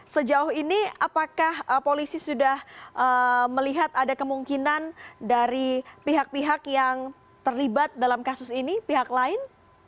sejauh ini apakah polisi sudah melihat ada kemungkinan dari pihak pihak yang terlibat dalam kasus ini pihak lain